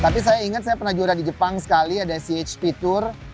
tapi saya ingat saya pernah juara di jepang sekali ada chp tour